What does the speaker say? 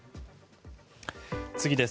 次です。